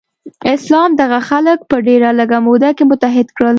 اسلام دغه خلک په ډیره لږه موده کې متحد کړل.